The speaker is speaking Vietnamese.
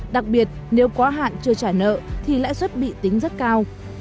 đặc biệt nếu quá hạn chưa trả nợ thì lãi suất bị tính rất cao